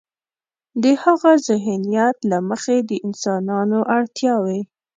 د هاغه ذهنیت له مخې د انسانانو اړتیاوې.